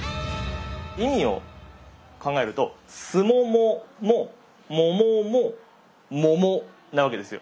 意味を考えるとスモモもモモもモモなわけですよ。